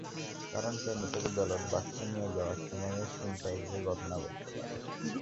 কারণ, কেন্দ্র থেকে ব্যালট বাক্স নিয়ে যাওয়ার সময়ও ছিনতাইয়ের ঘটনা ঘটতে পারে।